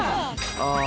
ああ